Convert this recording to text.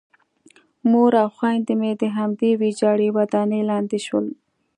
مور او خویندې مې د همدې ویجاړې ودانۍ لاندې شول